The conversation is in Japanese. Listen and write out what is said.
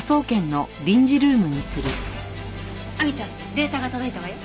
亜美ちゃんデータが届いたわよ。